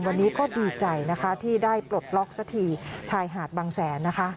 วันนี้ก็ดีใจนะคะที่ได้ปลดล็อกสักทีชายหาดบางแสนนะคะ